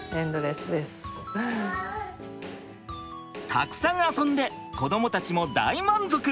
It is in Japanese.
たくさん遊んで子どもたちも大満足！